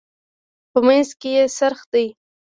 په منځ کې یې څرخ دی.